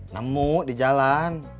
nemu di jalan